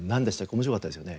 面白かったですよね。